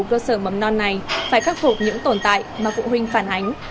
cơ sở mầm non này phải khắc phục những tồn tại mà phụ huynh phản ánh